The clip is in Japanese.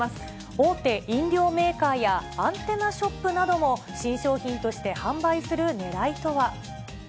大手飲料メーカーやアンテナショップなども新商品として販売する狙いとは。